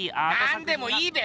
なんでもいいべ！